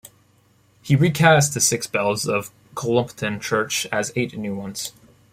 He recast the six bells of Cullompton church as eight new ones.